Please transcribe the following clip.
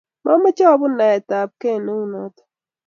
mamache apun naet ab keiy neu notok